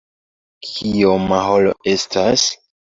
Kioma horo estas?